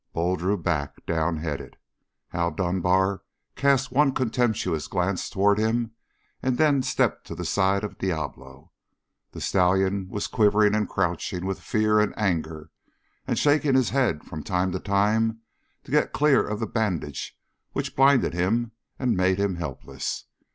Bull drew back, downheaded. Hal Dunbar cast one contemptuous glance toward him and then stepped to the side of Diablo. The stallion was quivering and crouching with fear and anger, and shaking his head from time to time to get clear of the bandage which blinded him and made him helpless.